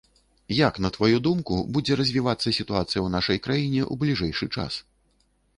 Як, на тваю думку, будзе развівацца сітуацыя ў нашай краіне ў бліжэйшы час?